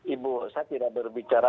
ibu saya tidak berbicara